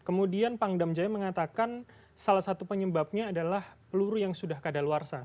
kemudian pang damjaya mengatakan salah satu penyebabnya adalah peluru yang sudah keadaan luar sana